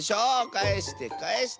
かえしてかえして！